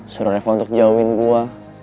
suruh reva untuk jauhin gue